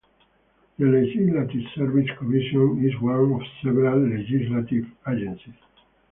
The Legislative Service Commission is one of several legislative agencies.